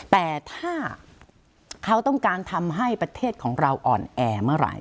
แต่ถ้าเขาต้องการทำให้ประเทศของเราอ่อนแอเมื่อไหร่